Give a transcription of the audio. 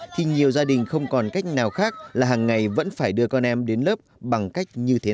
thì nhiều gia đình không còn cách nào khác là hàng ngày vẫn phải đưa con em đến lớp bằng cách như thế nào